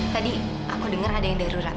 tadi aku dengar ada yang darurat